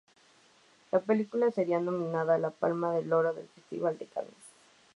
La película sería nominada a la Palma de Oro del Festival de Cannes.